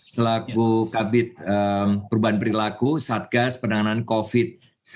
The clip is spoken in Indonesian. selaku kabit perubahan perilaku satgas penanganan covid sembilan belas